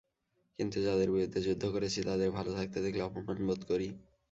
কিন্তু যাদের বিরুদ্ধে যুদ্ধ করেছি তাদের ভালো থাকতে দেখলে অপমান বোধ করি।